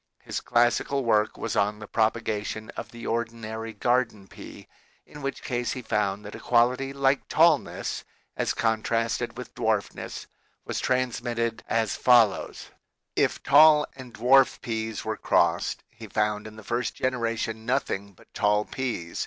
His classical work was on the propagation of the ordi nary garden pea, in which case he found that a quality like tallness, as contrasted with dwarfness, was trans mitted as follows : If tall and dwarf peas were crossed, he found in the first generation nothing but tall peas.